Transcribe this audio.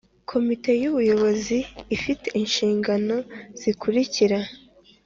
komite y ubuyobozi ifite inshingano zikurikira